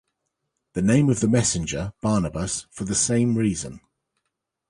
The name of the messenger, Barnabas, for the same reason.